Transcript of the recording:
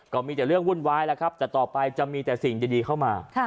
ก็มีแต่เรื่องวุ่นวายแล้วครับแต่ต่อไปจะมีแต่สิ่งดีเข้ามา